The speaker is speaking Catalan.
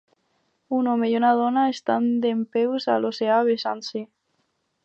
Un home i una dona estan dempeus a l'oceà besant-se.